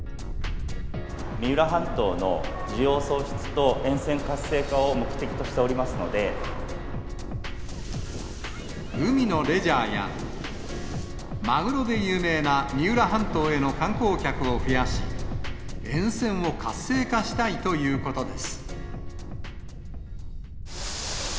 三浦半島の需要創出と沿線活海のレジャーや、マグロで有名な三浦半島への観光客を増やし、沿線を活性化したいということです。